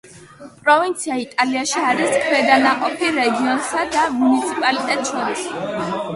პროვინცია იტალიაში არის ქვედანაყოფი რეგიონსა და მუნიციპალიტეტს შორის.